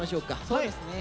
そうですね。